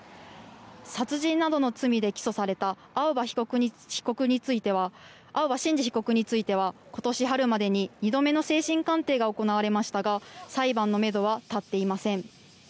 殺人などの罪で起訴された青葉真司被告については今年春までに２度目の精神鑑定が行われましたが裁判のめどは立っていません。